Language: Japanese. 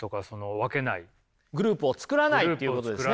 グループを作らないってことですね？